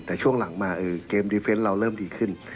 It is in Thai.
แต่ช่วงหลังมาเออเกมเราเริ่มดีขึ้น